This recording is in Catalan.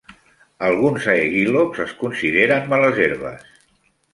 Alguns "Aegilops" es consideren males herbes.